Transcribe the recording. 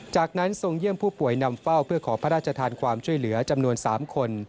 จากนั้นทรงเยี่ยมผู้ป่วยนำเฝ้าเพื่อขอพระราชทานความช่วยเหลือจำนวน๓คน